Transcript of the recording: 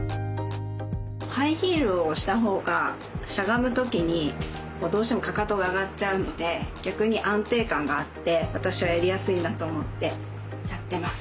ハイヒールをした方がしゃがむ時にどうしてもかかとが上がっちゃうので逆に安定感があって私はやりやすいなと思ってやってます。